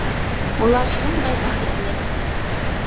Улар шундай бәхетле.